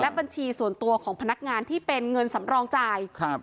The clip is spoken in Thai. บัญชีส่วนตัวของพนักงานที่เป็นเงินสำรองจ่ายครับ